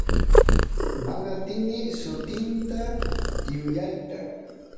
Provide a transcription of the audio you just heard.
mana atini sutikuta yuyayta